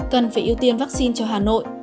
cần phải ưu tiên vaccine cho hà nội